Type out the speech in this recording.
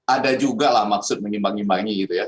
ada juga lah maksud mengimbang imbangi gitu ya